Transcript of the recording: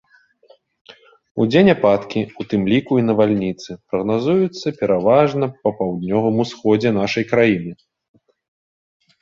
Удзень ападкі, у тым ліку і навальніцы, прагназуюцца пераважна на паўднёвым усходзе нашай краіны.